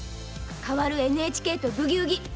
変わるＮＨＫと「ブギウギ」。